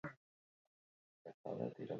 Agurra herriko frontoian egin diote.